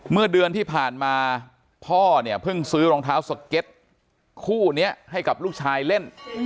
เมื่อเดือนที่ผ่านมาพ่อเนี่ยเพิ่งซื้อรองเท้าสเก็ตคู่นี้ให้กับลูกชายเล่น